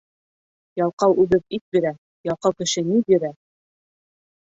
Ялҡау үгеҙ ит бирә, ялҡау кеше ни бирә?